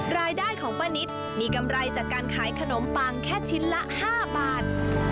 รายได้ของป้านิตมีกำไรจากการขายขนมปังแค่ชิ้นละ๕บาท